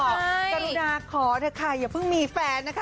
กรุณาขอเถอะค่ะอย่าเพิ่งมีแฟนนะคะ